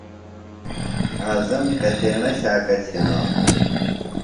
اعظم کتیݨہ شاکہ چِھنانُوۡ؟